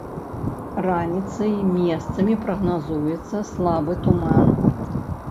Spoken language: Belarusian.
Раніцай месцамі прагназуецца слабы туман.